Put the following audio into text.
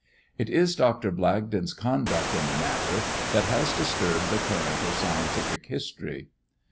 It is Dr. Blagden's conduct in the matter that has disturbed the current of scientific history.